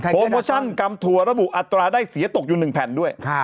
โมชั่นกำถั่วระบุอัตราได้เสียตกอยู่๑แผ่นด้วย